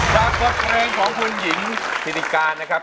แล้วก็เพลงของคุณหญิงธินิการนะครับ